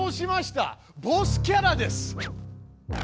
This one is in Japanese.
ボスキャラです！